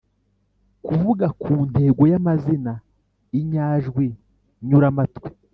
kivuga ku ntego y’amazina, inyajwi nyuramatwi,